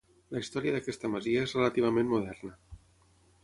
La història d'aquesta masia és relativament moderna.